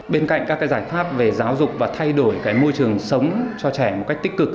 bên cạnh các giải pháp về giáo dục và thay đổi môi trường sống cho trẻ một cách tích cực